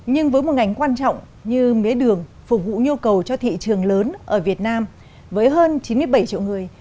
nhưng với một ngành quan trọng như mía đường phục vụ nhu cầu cho thị trường lớn ở việt nam với hơn chín mươi bảy triệu người